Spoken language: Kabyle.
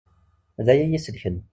D aya i yi-selken.